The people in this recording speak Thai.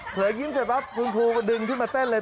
เผลอยิ้มเสร็จปะคุณครูดึงขึ้นมาเต้นเลย